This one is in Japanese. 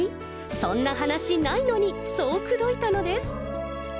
そんな話ないのに、そうくどいたのです。